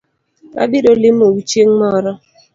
Abiro limo u chieng’ moro